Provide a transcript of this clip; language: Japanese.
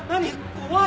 怖い。